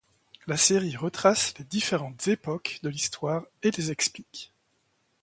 La série retrace les différentes époques de l'histoire et les explique.